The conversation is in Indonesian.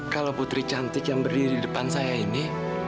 kalau putri cantik yang berdiri di depan saya ini